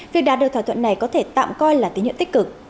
việc đạt được thỏa thuận này có thể tạm coi là tín hiệu tích cực